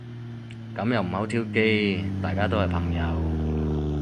噉又唔好挑機。大家都係朋友